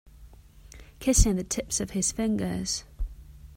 Kissing the tips of his fingers.